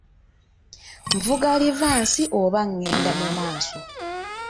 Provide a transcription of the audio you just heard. Nvuga livansi oba ngenda mu maaso?